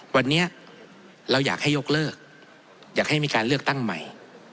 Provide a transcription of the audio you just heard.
วันนี้เราอยากให้ยกเลิกอยากให้มีการเลือกตั้งใหม่